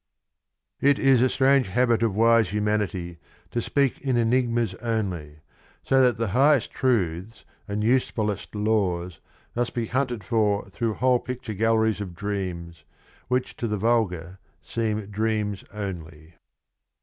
It is a strange habit of wise humanity to speak in enigmas ^ only, so that the highest truths and usefullest laws must be hunted for through whole picture galleries of dreams, which to the vulgar seem dreams only."